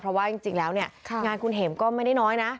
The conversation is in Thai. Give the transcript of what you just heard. เพราะว่าจริงแล้วเนี่ยงานคุณเห็มก็ไม่ได้น้อยนะ